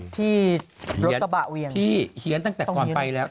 ที่รถกระเป๋าเวียงต้องเขียนไหมต้องเขียนไหมต้องเขียนไหม